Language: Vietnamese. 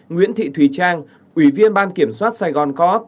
nguyễn thị thùy trang ủy viên ban kiểm soát sài gòn co op